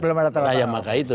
belum ada tanda tangan